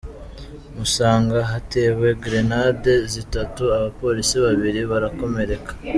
Musaga: Hatewe grenade zitatu, abapolisi babiri barakomereka.